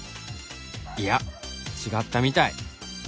いや違ったみたい。